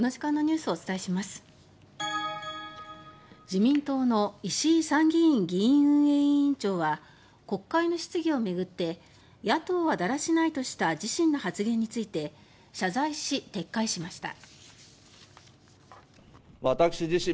自民党の石井参院議院運営委員長は国会の質疑を巡って「野党はだらしない」とした自身の発言について謝罪し、撤回しました。